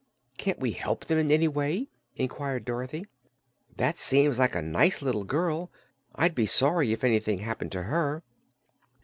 "Can't we help them in any way?" inquired Dorothy. "That seems like a nice little girl. I'd be sorry if anything happened to her."